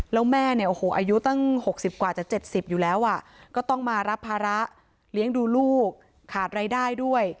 แล้วแม่เนี่ยโอ้โหอายุตั้ง๖๐กว่าจะ๗๐อยู่แล้วก็ต้องมารับภาระเลี้ยงดูลูกขาดรายได้ด้วย